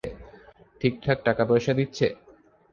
ঠিকঠাক টাকা পয়সা দিচ্ছে?